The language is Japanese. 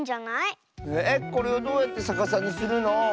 えっこれをどうやってさかさにするの？